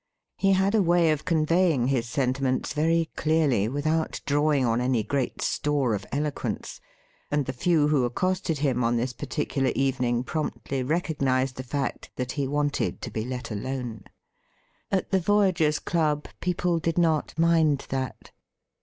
He had a way of conveying his sentiments very clearly without drawing on any great store of eloquence, and the few who accosted him on this particular evening promptly recognised the fact that he wanted to be let alone. At the Voyagers' Club people did not mind that.